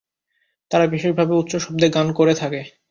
তারা বিশেষভাবে উচ্চ শব্দে গান করে থাকে।